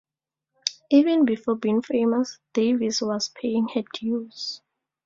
Even before being famous, Davis was paying her dues.